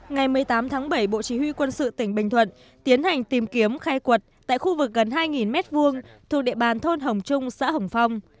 ngày một mươi tám tháng bảy bộ chỉ huy quân sự tỉnh bình thuận tiến hành tìm kiếm khai quật tại khu vực gần hai m hai thuộc địa bàn thôn hồng trung xã hồng phong